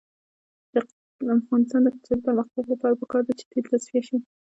د افغانستان د اقتصادي پرمختګ لپاره پکار ده چې تیل تصفیه شي.